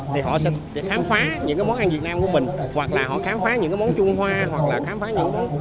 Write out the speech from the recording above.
thì họ sẽ khám phá những món ăn việt nam của mình hoặc là họ khám phá những món chung hoa hoặc là khám phá những món